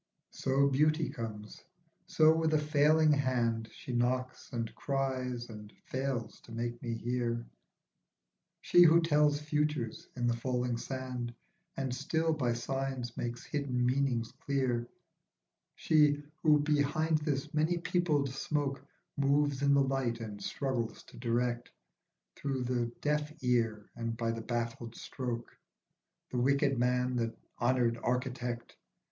SO beauty comes, so with a failing hand She knocks, and cries, and fails to make me hear, She who tells futures in the falling sand, And still, by signs, makes hidden meanings clear ; She, who behind this many peopled smoke, Moves in the light and struggles to direct, Through the deaf ear and by the baffled stroke, The wicked man, the honoured architect.